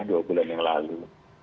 dua bulan yang lalu